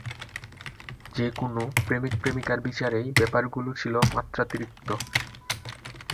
যে কোনো প্রেমিক-প্রেমিকার বিচারেই ব্যাপারগুলো ছিল মাত্রাতিরিক্ত।